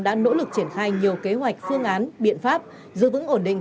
đã nỗ lực triển khai nhiều kế hoạch phương án biện pháp giữ vững ổn định